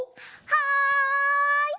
はい！